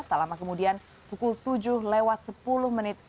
tak lama kemudian pukul tujuh lewat sepuluh menit